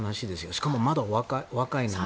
しかもまだお若いのに。